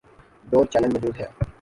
جو چیلنج موجود ہے۔